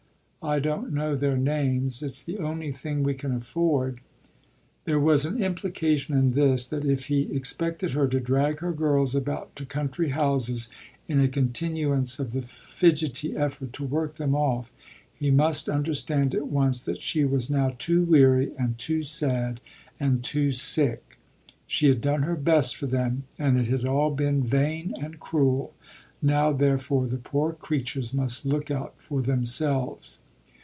I don't know their names: it's the only thing we can afford." There was an implication in this that if he expected her to drag her girls about to country houses in a continuance of the fidgety effort to work them off he must understand at once that she was now too weary and too sad and too sick. She had done her best for them and it had all been vain and cruel now therefore the poor creatures must look out for themselves.